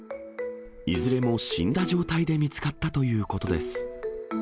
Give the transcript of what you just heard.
いずれも死んだ状態で見つかったということです。